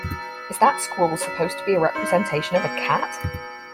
Is that scrawl supposed to be a representation of a cat?